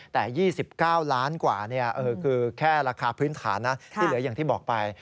แต่๒๙ล้านกว่าคือแค่ราคาพื้นฐานนะที่เหลืออย่างที่บอกไป